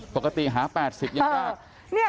ปกติหา๘๐ยังได้